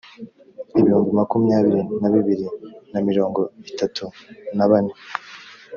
ibihumbi makumyabiri na bibiri na mirongo itatu na bane